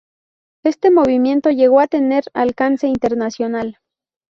Este movimiento llegó a tener alcance internacional.